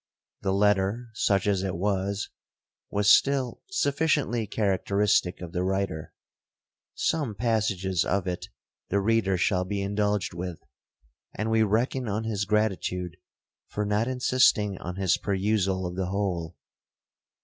The letter, such as it was, was still sufficiently characteristic of the writer. Some passages of it the reader shall be indulged with,—and we reckon on his gratitude for not insisting on his perusal of the whole.